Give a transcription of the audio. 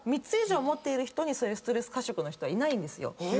３つ以上持っている人にストレス過食の人はいないんですよ。